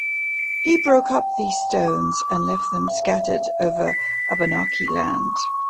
He broke up these stones and left them scattered over the Abenaki land.